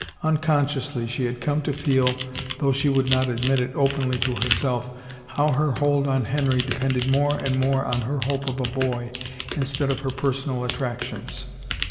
Unconsciously she had come to feel, though she would not admit it openly to herself, how her hold on Henry depended more and more on her hope of a boy instead of her personal attractions.